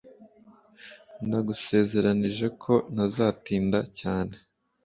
Ndagusezeranije ko ntazatinda cyane